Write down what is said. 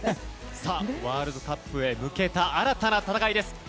ワールドカップへ向けた新たな戦いです。